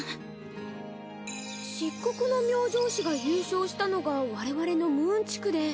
漆黒の明星氏が優勝したのが我々のムーン地区で。